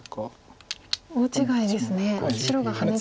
大違いですね